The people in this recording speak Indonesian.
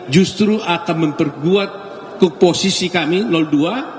justru akan memperkuat posisi kami dua